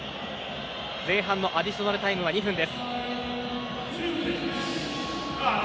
前半のアディショナルタイムは２分です。